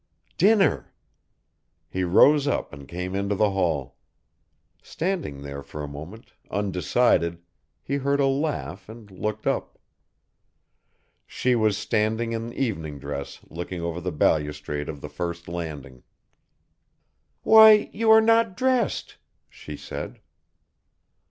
Dinner! He rose up and came into the hall. Standing there for a moment, undecided, he heard a laugh and looked up. She was standing in evening dress looking over the balustrade of the first landing. "Why, you are not dressed!" she said.